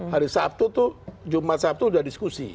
hari sabtu tuh jumat sabtu sudah diskusi